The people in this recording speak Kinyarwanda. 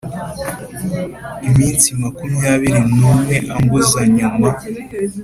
iminsi makumyabiri n umwe ambuza Nyuma